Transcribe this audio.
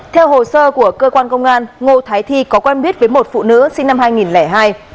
theo hồ sơ của cơ quan công an ngô thái thi có quen biết với một phụ nữ sinh năm hai nghìn hai